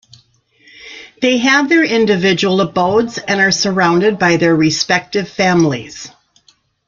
They have their individual abodes and are surrounded by their respective families.